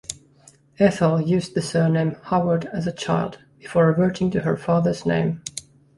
Ethel used the surname Howard as a child, before reverting to her father's name.